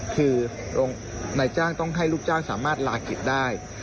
คือนายจ้างต้องให้ลูกจ้างสามารถลากิจได้